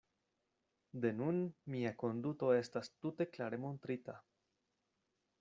De nun mia konduto estas tute klare montrita.